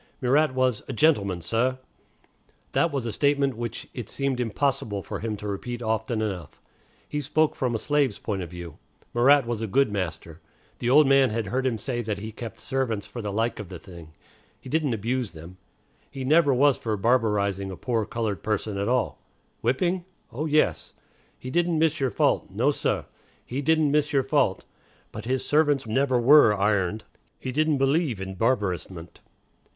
Murat was "a gentleman, sah." That was a statement which it seemed impossible for him to repeat often enough. He spoke from a slave's point of view. Murat was a good master. The old man had heard him say that he kept servants "for the like of the thing." He didn't abuse them. He "never was for barbarizing a poor colored person at all." Whipping? Oh, yes. "He didn't miss your fault. No, sah, he didn't miss your fault." But his servants never were "ironed." He "didn't believe in barbarousment."